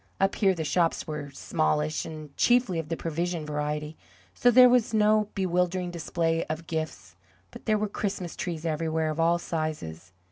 Up here the shops were smallish, and chiefly of the provision variety, so there was no bewildering display of gifts; but there were Christmas trees everywhere, of all sizes.